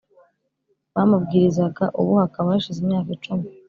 bamubwirizaga ubu hakaba hashize imyaka icumi